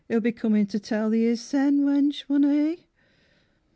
he'll be comin' to tell thee his sèn Wench, wunna he?